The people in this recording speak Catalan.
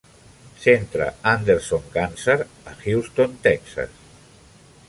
Centre Anderson Cancer a Houston, Texas.